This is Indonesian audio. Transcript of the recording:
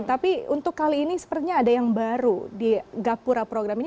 tapi untuk kali ini sepertinya ada yang baru di gapura program ini